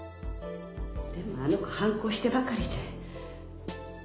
でもあの子反抗してばかりで。